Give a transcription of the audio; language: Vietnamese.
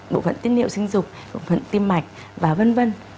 bộ phận tiết niệu sinh dục bộ phận tim mạch và v v